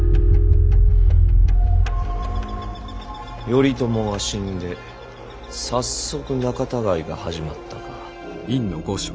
頼朝が死んで早速仲たがいが始まったか。